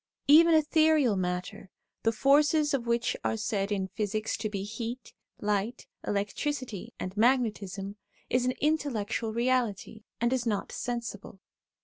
Even ethereal matter, the forces of which are said in physics to be heat, light, electricity, and magnetism, is an intellectual reality, and is not sensible.